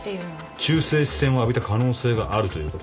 中性子線を浴びた可能性があるということだ。